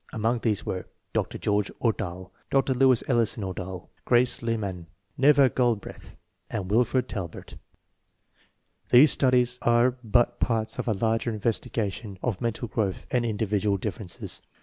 Among these were Dr. George Ordahl, Dr. Louise Ellison Ordahl, Grace Lyman, Neva Galbreath, and Wilf ord Talbert. These studies are but parts of a larger investigation of mental growth and individual differences.